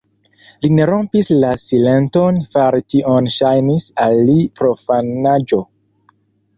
Li ne rompis la silenton; fari tion ŝajnis al li profanaĵo.